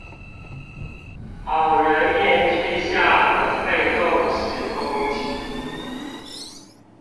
好人面具下的被動式攻擊